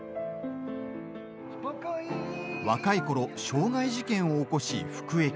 若いころ、傷害事件を起こし服役。